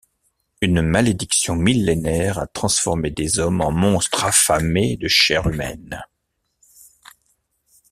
Une malédiction millénaire a transformé des hommes en monstres affamés de chair humaine.